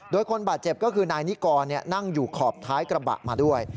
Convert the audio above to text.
โดยคนบาดเจ็บก็คือนายนิกรนั่งอยู่ขอบท้ายกระบะมาด้วย